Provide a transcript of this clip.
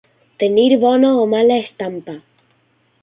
Tenir bona o mala estampa.